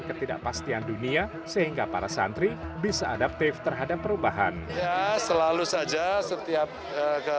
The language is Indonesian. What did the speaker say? ketidakpastian dunia sehingga para santri bisa adaptif terhadap perubahan selalu saja setiap ke